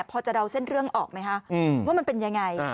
พอจะเดาเส้นเรื่องออกไหมคะว่ามันเป็นยังไง